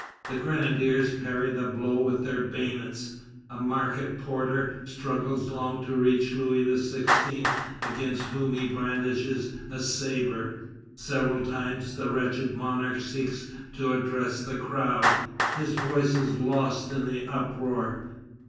The grenadiers parry the blow with their bayonets. A market porter struggles long to reach Louis XVI., against whom he brandishes a sabre. Several times the wretched monarch seeks to address the crowd. His voice is lost in the uproar.